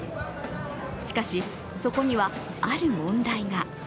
しかし、そこにはある問題が。